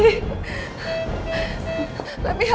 dia bakal baik baik aja